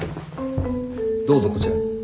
どうぞこちらへ。